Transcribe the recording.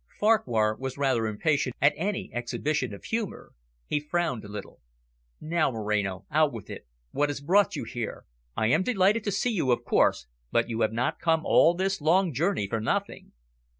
Farquhar was rather impatient at any exhibition of humour. He frowned a little. "Now, Moreno, out with it. What has brought you here? I am delighted to see you, of course, but you have not come all this long journey for nothing."